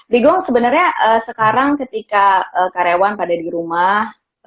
rigong sebenarnya sekarang ketika karyawan pada di rumah